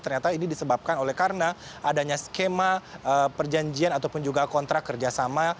ternyata ini disebabkan oleh karena adanya skema perjanjian ataupun juga kontrak kerjasama